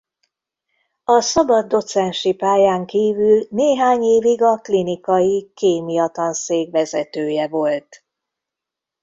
A szabad docensi pályán kívül néhány évig a klinikai kémia tanszék vezetője volt.